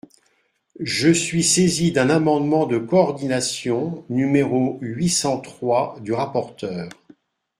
Je suis saisi d’un amendement de coordination numéro huit cent trois du rapporteur.